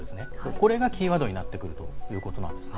これがキーワードになってくるということなんですね。